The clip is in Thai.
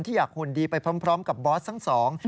อยากหุ่นดีไปพร้อมกับบอสทั้งสอง